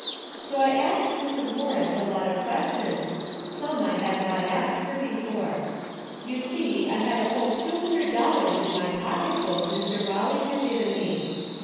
So I asked Mrs. Mor A DAILY BATEI' 105 ris a lot of questions, some I had not asked her before. You see I had a whole two hundred dollars in my pocketbook, Mr. Eawley had given me.